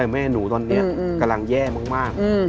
แม่หนูตอนนี้กำลังแย่มาก